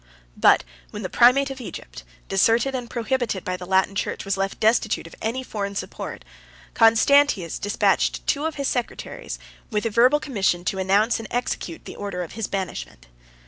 But when the primate of Egypt, deserted and proscribed by the Latin church, was left destitute of any foreign support, Constantius despatched two of his secretaries with a verbal commission to announce and execute the order of his banishment.